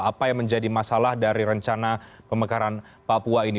apa yang menjadi masalah dari rencana pemekaran papua ini